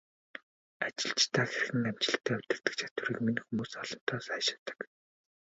Ажилчдаа хэрхэн амжилттай удирддаг чадварыг минь хүмүүс олонтаа сайшаадаг.